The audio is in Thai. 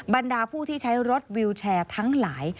บรรดาผู้ที่ใช้รถวิวแชร์ทั้งหลาย